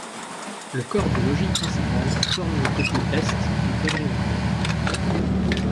Le corps de logis principal forme le côté est du quadrilatère.